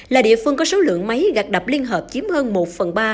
là địa phương có số lượng máy gạt đập liên hợp chiếm hơn một phần ba